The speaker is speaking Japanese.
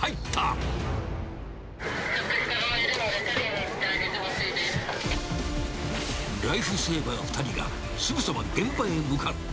人がいるので、ライフセーバー２人がすぐさま現場へ向かう。